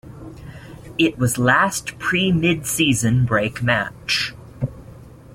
It was last pre-midseason break match.